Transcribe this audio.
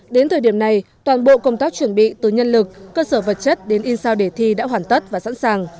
đến thời điểm này toàn bộ công tác chuẩn bị từ nhân lực cơ sở vật chất đến in sao để thi đã hoàn tất và sẵn sàng